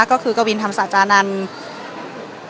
ก็คือกวินธรรมศาจานันทร์